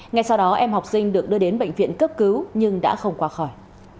ngay sau đó em học sinh được đưa đến bệnh viện cấp cứu nhưng đã không qua khỏi